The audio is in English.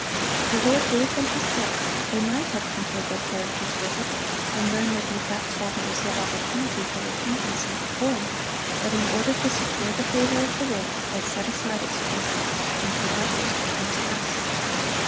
The Lord gave them His law; they might have compared their characters with it, and learned their defects while there was yet opportunity for repentance and reform; but in order to secure the favor of the world, they set aside its precepts and taught others to transgress.